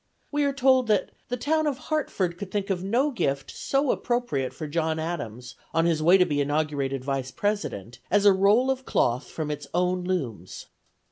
We are told that "the town of Hartford could think of no gift so appropriate for John Adams on his way to be inaugurated Vice President as a roll of cloth from its own looms.